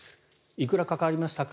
いくらかかりましたか